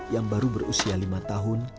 yang baru berusia lima tahun